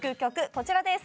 こちらです。